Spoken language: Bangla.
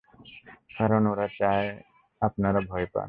কারণ, ওরা চায় আপনারা ভয় পান!